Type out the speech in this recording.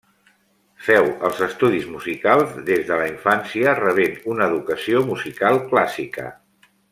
Feu els estudis musicals des de la infància, rebent una educació musical clàssica.